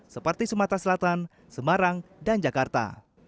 seperti sumatera selatan semarang dan jakarta